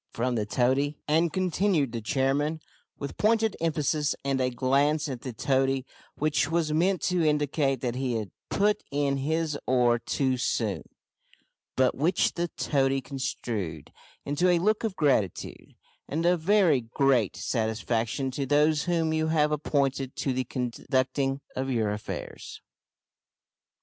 from the toady. "And," continued the chairman, with pointed emphasis, and a glance at the toady, which was meant to indicate that he had put in his oar too soon, but which the toady construed into a look of gratitude "and of very great satisfaction to those whom you have appointed to the conducting of your affairs."